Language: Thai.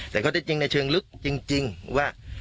แต่เขาได้จริงในเชิงลึกจริงว่า